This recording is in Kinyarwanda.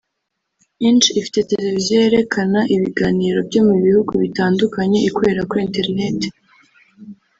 Inc ifite televiziyo yerekana ibiganiro byo mu bihugu bitandukanye ikorera kuri internet